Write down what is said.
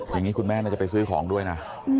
อย่างนี้คุณแม่น่าจะไปซื้อของด้วยนะ